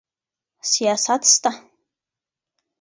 سیاست سته.